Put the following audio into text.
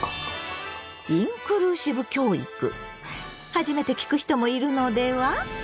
初めて聞く人もいるのでは？